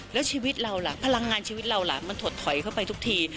แล้วชีวิตเราล่ะพลังงานชีวิตเราล่ะมันถดถอยเข้าไปทุกที